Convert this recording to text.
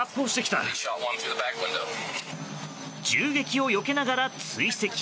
銃撃をよけながら追跡。